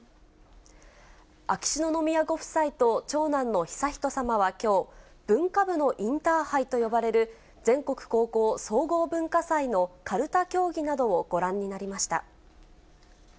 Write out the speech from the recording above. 秋篠宮ご夫妻と長男の悠仁さまはきょう、文化部のインターハイと呼ばれる全国高校総合文化祭のかるた競技などをご覧になりました。